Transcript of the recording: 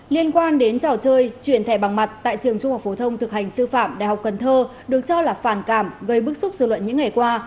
liên quan đến trò chơi truyền thẻ bằng mặt tại trường trung học phổ thông thực hành sư phạm đại học cần thơ được cho là phản cảm gây bức xúc dư luận những ngày qua